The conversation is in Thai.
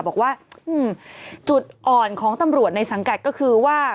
บอกว่าจุดอ่อนของตำรวจในสังกัดก็คือว่า